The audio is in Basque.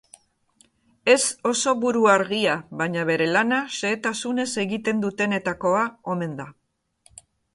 Ez oso buru-argia, baina bere lana xehetasunez egiten dutenetakoa omen da.